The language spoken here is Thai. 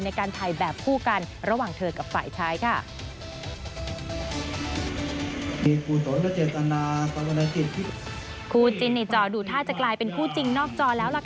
ในการถ่ายแบบคู่กันระหว่างเธอกับฝ่ายชายค่ะ